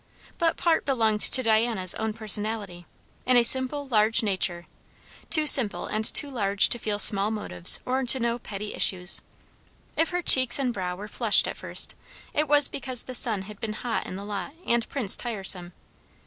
But part belonged to Diana's own personalty; in a simple, large nature, too simple and too large to feel small motives or to know petty issues. If her cheeks and brow were flushed at first, it was because the sun had been hot in the lot and Prince tiresome.